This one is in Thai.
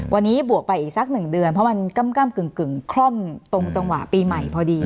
วันนี้บวกไปอีกสักหนึ่งเดือนเพราะมันก้ำกึ่งคล่อมตรงจังหวะปีใหม่พอดี